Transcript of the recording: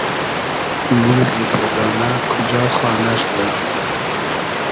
مولگی بېگانۂ کوجا خانۂ شودۂ